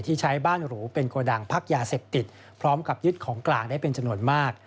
ใช้บ้านหรูเป็นโกดังพักยาเสพติดพร้อมกับยึดของกลางได้เป็นจำนวนมาก